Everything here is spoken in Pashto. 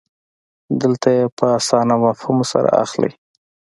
دلته یې په اسانه مفهوم سره اخلئ.